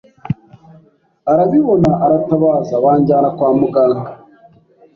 arabibona aratabaza banjyana kwa muganga